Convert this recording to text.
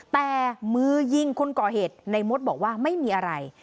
แต่มือยิงคนก่อเหตุในมดบอกว่าไม่มีอะไร